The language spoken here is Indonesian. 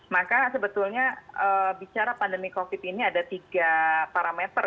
maka sebetulnya bicara pandemi covid ini ada tiga parameter